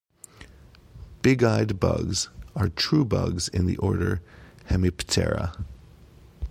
Big-eyed bugs are true bugs in the order Hemiptera.